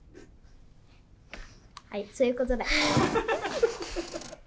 はい、そういうことだ。